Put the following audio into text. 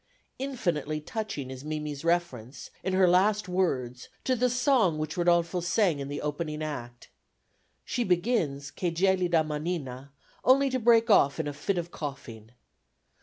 Infinitely touching is Mimi's reference, in her last words, to the song which Rodolfo sang in the opening Act. She begins Che gelida manina only to break off in a fit of coughing.